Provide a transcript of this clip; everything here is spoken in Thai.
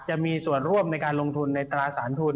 จะมีส่วนร่วมในการลงทุนในตราสารทุน